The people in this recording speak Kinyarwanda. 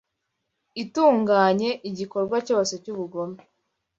itunganye, igikorwa cyose cy’ubugome,